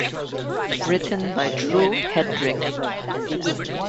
Written by Drew Headrick.